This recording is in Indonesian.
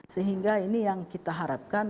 sehingga ini yang kita harapkan